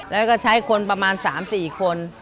แล้วก็ใช้คนประมาณ๓๔คน